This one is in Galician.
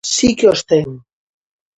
Si que os ten.